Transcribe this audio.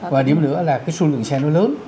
và điểm nữa là cái số lượng xe nó lớn